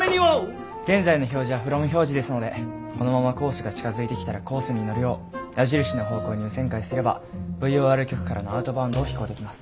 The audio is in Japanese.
現在の表示はＦＲＯＭ表示ですのでこのままコースが近づいてきたらコースに乗るよう矢印の方向に右旋回すればＶＯＲ局からのアウトバウンドを飛行できます。